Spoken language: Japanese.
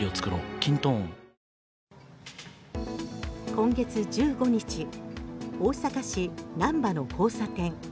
今月１５日大阪市・なんばの交差点。